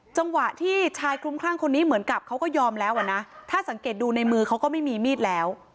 จังหวะที่ชายคลุมคลั่งคนนี้เหมือนกับเขาก็ยอมแล้วอ่ะนะถ้าสังเกตดูในมือเขาก็ไม่มีมีดแล้ว